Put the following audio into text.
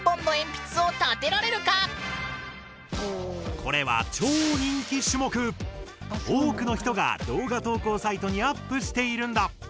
これは多くの人が動画投稿サイトにアップしているんだ。